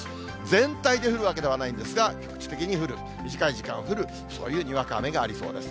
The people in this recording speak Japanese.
全体で降るわけではないんですが、局地的に降る、短い時間降る、そういうにわか雨がありそうです。